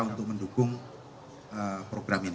untuk mendukung program ini